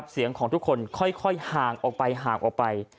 เสียงของทุกคนค่อยห่างออกไป